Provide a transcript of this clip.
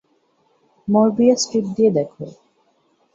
Möbius strip দিয়ে দেখো।